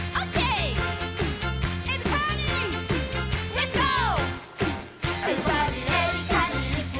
レッツゴー！